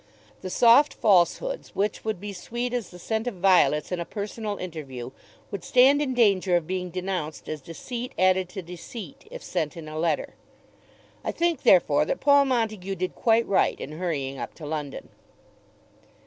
The soft falsehoods which would be sweet as the scent of violets in a personal interview, would stand in danger of being denounced as deceit added to deceit, if sent in a letter. I think therefore that Paul Montague did quite right in hurrying up to London.